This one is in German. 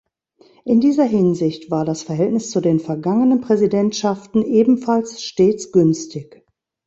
In dieser Hinsicht war das Verhältnis zu den vergangenen Präsidentschaften ebenfalls stets günstig.